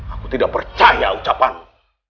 aku tidak percaya ucapanmu